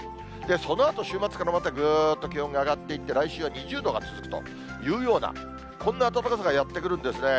そのあと週末からまたぐーっと気温が上がっていって、来週は２０度が続くというような、こんな暖かさがやって来るんですね。